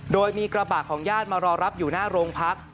โดยมีกระบะของญาติมารอรับอยู่หน้าโรงพัก